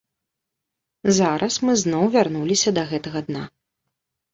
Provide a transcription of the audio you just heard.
Зараз мы зноў вярнуліся да гэтага дна.